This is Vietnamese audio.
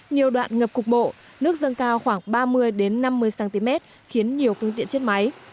nhiều đoạn ngập cục bộ nước dâng cao khoảng ba mươi năm mươi cm khiến nhiều phương tiện chết máy